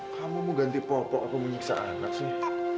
kamu mau ganti popok aku mau nyiksa anak sih